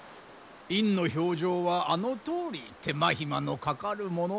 院の評定はあのとおり手間暇のかかるもの。